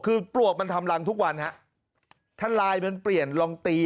คือปลวกมันทำกันทุกวันครับท่านลายแปลงเหมือนตี